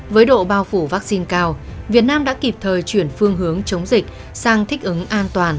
với độ bao phủ vaccine cao việt nam đã kịp thời chuyển phương hướng chống dịch sang thích ứng an toàn